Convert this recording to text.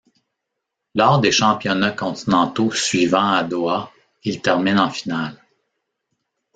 Lors des Championnats continentaux suivants à Doha, il termine en finale.